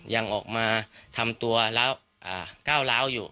ยังออกมาทำตัวแล้วก้าวร้าวอยู่